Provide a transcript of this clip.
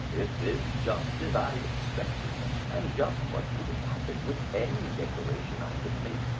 This is just as I expected, and just what would happen with any declaration I could make.